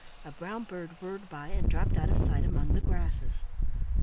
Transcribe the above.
A brown bird whirred by and dropped out of sight among the grasses.